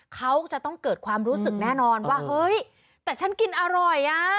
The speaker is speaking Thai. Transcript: เขาจะต้องเกิดความรู้สึกแน่นอนว่าเฮ้ยแต่ฉันกินอร่อยอ่ะ